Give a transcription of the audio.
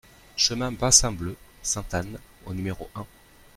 Chemin Bassin Bleu (Ste Anne) au numéro un